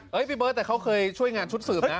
พี่เบิร์ตแต่เขาเคยช่วยงานชุดสืบนะ